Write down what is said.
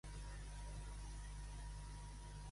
Què s'anomena igual que ell, doncs?